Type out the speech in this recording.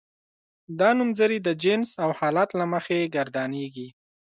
دا نومځري د جنس او حالت له مخې ګردانیږي.